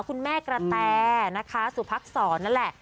คุณแม่กระแตนะคะสุพักษรนั่นแหละ